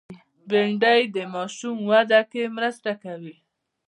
بېنډۍ د ماشوم وده کې مرسته کوي